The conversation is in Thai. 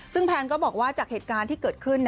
ซึ่งแพนก็บอกว่าจากเหตุการณ์ที่เกิดขึ้น